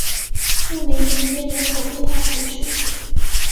穆雷迪耶人口变化图示